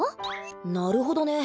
なるほどね。